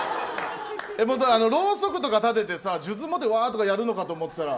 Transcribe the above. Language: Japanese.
ろうそくとか立てて数珠を持ってワーッ！とかやるのかと思ったら。